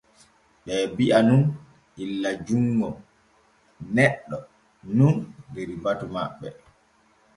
Ɓee bi’a nun illa junŋo neɗɗo nun der batu maɓɓe.